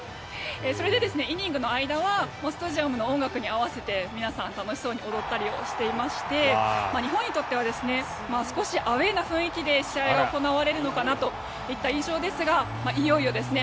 それで、イニングの間はスタジアムの音楽に合わせて皆さん楽しそうに踊ったりしていまして日本にとっては少しアウェーな雰囲気で試合が行われるのかなという印象ですがいよいよですね